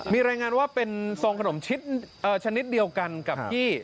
มีรายงานว่าเป็นซองขนมชนิดเดียวกันกับที่